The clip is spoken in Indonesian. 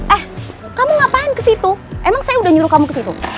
eh kamu ngapain ke situ emang saya udah nyuruh kamu ke situ